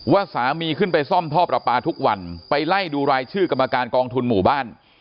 ว่าสามีขึ้นไปซ่อมท่อประปาทุกวันไปไล่ดูรายชื่อกรรมการกองทุนหมู่บ้าน